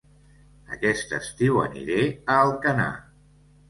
Aquest estiu aniré a Alcanar